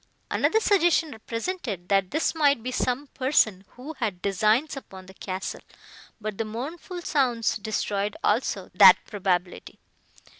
Another suggestion represented, that this might be some person, who had designs upon the castle; but the mournful sounds destroyed, also, that probability.